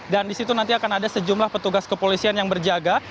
dan di situ nanti akan ada sejumlah petugas kepolisian yang berjaga